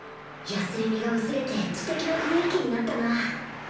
野性味が薄れて知的な雰囲気になったな